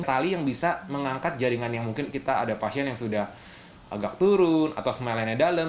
tali yang bisa mengangkat jaringan yang mungkin kita ada pasien yang sudah agak turun atau semalannya dalam